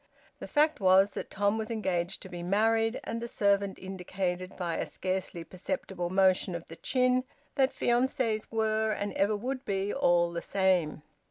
The fact was that Tom was engaged to be married, and the servant indicated, by a scarcely perceptible motion of the chin, that fiances were and ever would be all the same.